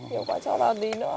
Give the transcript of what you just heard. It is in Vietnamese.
nhiều quá cho vào đi nữa